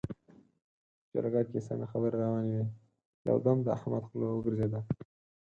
په جرګه کې سمې خبرې روانې وې؛ يو دم د احمد خوله وګرځېده.